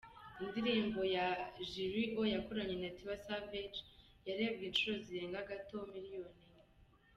Indirimbo ye Girlie O yakoranye na Tiwa Savage yarebwe inshuro zirenga gato miliyoni enye.